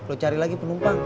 lo cari lagi penumpang